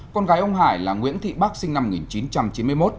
con gái ông hải là nguyễn thị bắc sinh năm một nghìn chín trăm chín mươi một